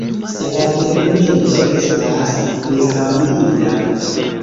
La tegmento estas piramida.